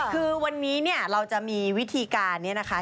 คือวันนี้เนี่ยเราจะมีวิธีการนี้นะคะ